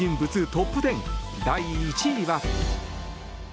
トップ１０第１位は。